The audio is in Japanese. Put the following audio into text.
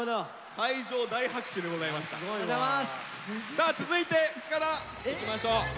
さあ続いて深田いきましょう。